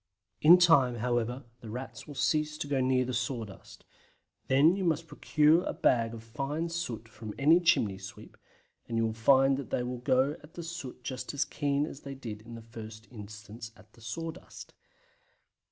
In time, however, the Rats will cease to go near sawdust. Then you must procure a bag of fine soot from any chimney sweep, and you will find that they will go at the soot just as keen as they did in the first instance at the sawdust.